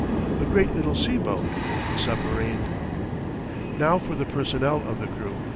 A great little sea boat a submarine. Now for the personnel of the crew.